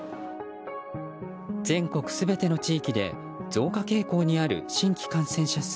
全国全ての地域で増加傾向にある新規感染者数。